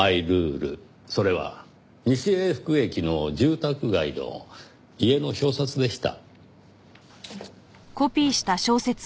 それは西永福駅の住宅街の家の表札でした。